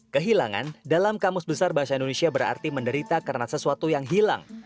kehilangan dalam kamus besar bahasa indonesia berarti menderita karena sesuatu yang hilang